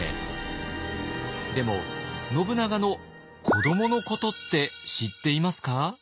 でも信長の子どものことって知っていますか？